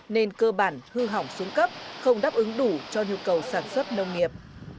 nên cơ bản hư hỏng xuống cấp không đáp ứng đủ cho nhu cầu sản xuất nông nghiệp